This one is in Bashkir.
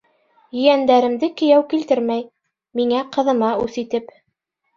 Ейәндәремде кейәү килтермәй, миңә, ҡыҙыма үс итеп.